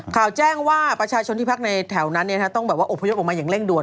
แจ้งว่าประชาชนที่พักในแถวนั้นต้องแบบว่าอบพยพออกมาอย่างเร่งด่ว